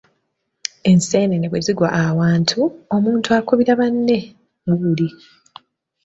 Enseenene bwe zigwa awantu, omuntu akubira banne wuuli.